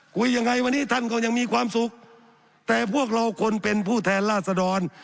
คุยยังไงวันนี้ท่านก็ยังมีความสุขแต่พวกเราคนเป็นผู้แทนราษดร